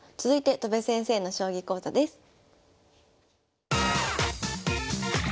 続いて戸辺先生の将棋講座です。